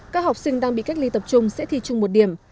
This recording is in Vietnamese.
các học sinh đang bị cách ly tập trung sẽ thi chung một điểm